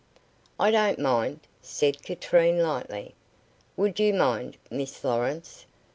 "I don't mind," said Katrine, lightly. "Would you mind, Miss Lawrence?"